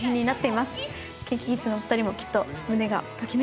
ＫｉｎＫｉＫｉｄｓのお二人もきっと胸がときめきます。